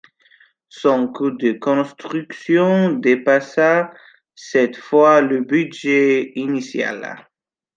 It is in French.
Son coût de construction dépassa sept fois le budget initial.